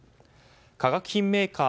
化学品メーカー